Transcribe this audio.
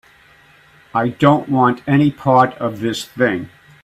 I don't want any part of this thing.